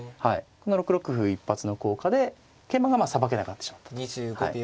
この６六歩一発の効果で桂馬がさばけなくなってしまったと。